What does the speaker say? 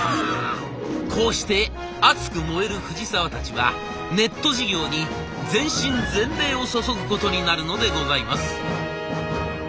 こうして熱く燃える藤沢たちはネット事業に全身全霊を注ぐことになるのでございます。